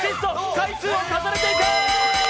回数を重ねていけ。